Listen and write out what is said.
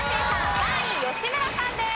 ３位吉村さんです。